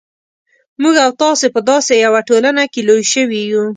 موږ او تاسې په داسې یوه ټولنه کې لوی شوي یو.